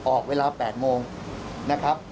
ออกเวลา๘โมงนะครับ